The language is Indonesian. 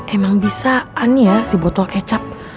emang bisaan ya si botol kecap